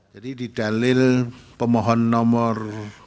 jadi didalil pemohon nomor dua